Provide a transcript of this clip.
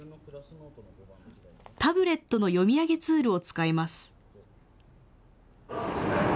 タブレットの読み上げツールを使います。